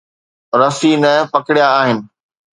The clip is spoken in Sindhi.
رسي نه پڪڙيا آهن.